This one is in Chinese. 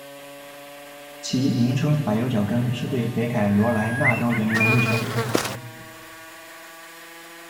其名称柏油脚跟是对北卡罗来纳州人民的昵称。